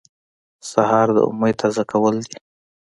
سهار د امید تازه کول دي.